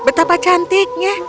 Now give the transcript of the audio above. oh betapa cantiknya